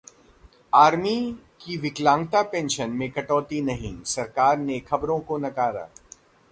army की विकलांगता pension में कटौती नहीं, सरकार ने खबरों को नकारा